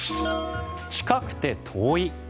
近くて遠い？